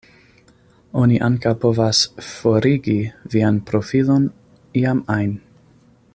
Oni ankaŭ povas "forigi" vian profilon iam ajn.